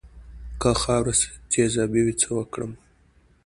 که خاوره تیزابي وي څه وکړم؟